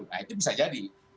nah itu bisa jadi